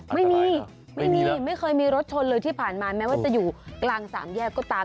ไม่มีไม่มีไม่เคยมีรถชนเลยที่ผ่านมาแม้ว่าจะอยู่กลางสามแยกก็ตาม